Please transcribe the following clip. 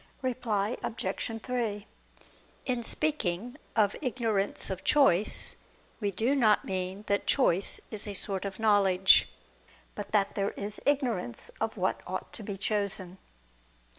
Reply Obj. 3: In speaking "of ignorance of choice," we do not mean that choice is a sort of knowledge, but that there is ignorance of what ought to be chosen.